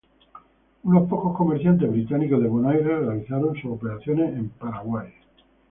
Unos pocos comerciantes británicos de Buenos Aires realizaron sus operaciones en Paraguay.